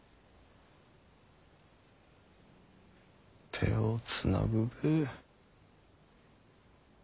手をつなぐべぇ。